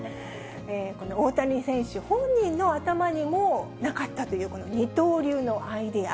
この大谷選手本人の頭にも、なかったという、この二刀流のアイデア。